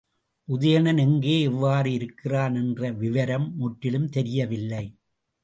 உதயணன் எங்கே எவ்வாறு இருக்கிறான்? என்ற விவரம் முற்றிலும் தெரியவில்லை.